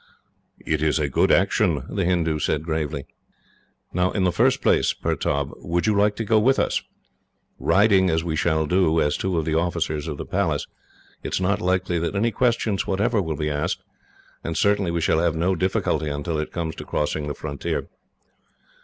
"It is a good action," the Hindoo said gravely. "Now, in the first place, Pertaub, would you like to go with us? Riding as we shall do, as two of the officers of the Palace, it is not likely that any questions whatever will be asked, and certainly we shall have no difficulty until it comes to crossing the frontier."